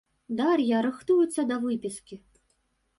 Дар'я рыхтуецца да выпіскі.